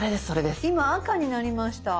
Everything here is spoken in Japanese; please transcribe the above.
今赤になりました。